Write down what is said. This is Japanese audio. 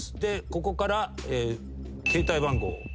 ここから携帯番号。